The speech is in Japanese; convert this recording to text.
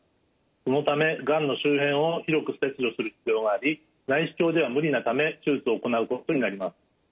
そのためがんの周辺を広く切除する必要があり内視鏡では無理なため手術を行うことになります。